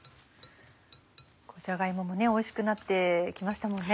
じゃが芋もおいしくなって来ましたもんね。